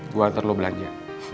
gue atur lo belanja